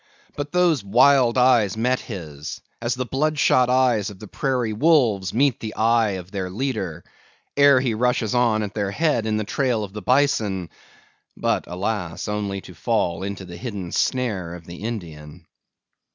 But those wild eyes met his, as the bloodshot eyes of the prairie wolves meet the eye of their leader, ere he rushes on at their head in the trail of the bison; but, alas! only to fall into the hidden snare of the Indian.